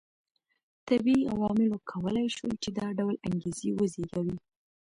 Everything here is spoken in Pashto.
طبیعي عواملو کولای شول چې دا ډول انګېزې وزېږوي